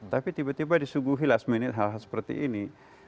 tapi tiba tiba disuguhi last minute hal hal seperti ini